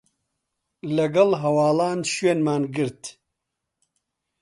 لەگەڵ هەواڵان شوێنمان گرت